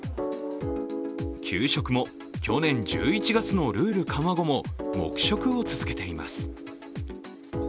給食も去年１１月のルール緩和後も黙食を続けています。